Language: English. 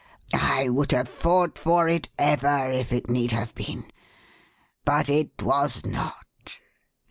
"I would have fought for it ever if it need have been. But it was not.